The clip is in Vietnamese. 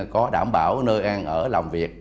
có đảm bảo nơi an ở làm việc